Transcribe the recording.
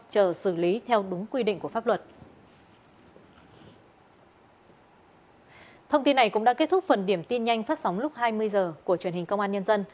chờ xử lý theo đúng quy định của pháp luật